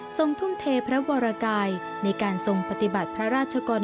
ทุ่มเทพระวรกายในการทรงปฏิบัติพระราชกล